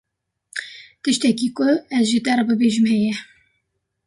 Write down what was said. Tiştekî ku ez ji te re bibêjim heye.